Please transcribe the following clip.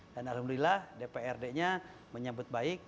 dan alhamdulillah dprd nya menyebut baik